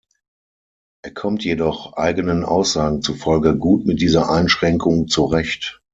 Er kommt jedoch eigenen Aussagen zufolge gut mit dieser Einschränkung zurecht.